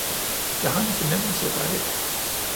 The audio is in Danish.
Jeg har en fornemmelse deraf